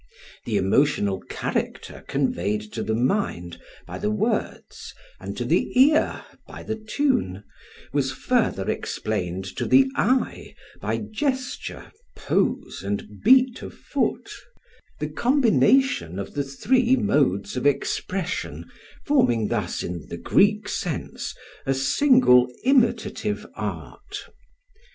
The emotional character conveyed to the mind by the words and to the ear by the tune, was further explained to the eye by gesture, pose, and beat of foot; the combination of the three modes of expression forming thus in the Greek sense a single "imitative" art.